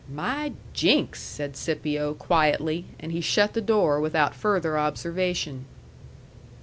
"My jinks!" said Scipio, quietly, and he shut the door without further observation.